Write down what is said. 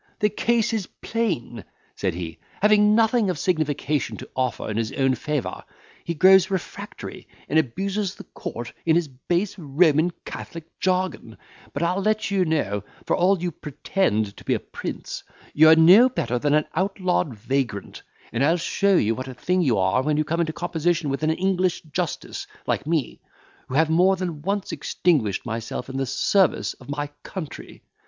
"The case is plain," said he; "having nothing of signification to offer in his own favour, he grows refractory, and abuses the court in his base Roman Catholic jargon; but I'll let you know, for all you pretend to be a prince, you are no better than an outlawed vagrant, and I'll show you what a thing you are when you come in composition with an English justice, like me, who have more than once extinguished myself in the service of my country.